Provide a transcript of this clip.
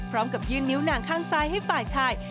พร้อมกับยื่นนิ้วหนังข้างซ้ายให้ฝ่ายชาย